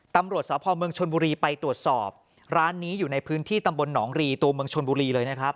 ตำรวจสพเมืองชนบุรีไปตรวจสอบร้านนี้อยู่ในพื้นที่ตำบลหนองรีตัวเมืองชนบุรีเลยนะครับ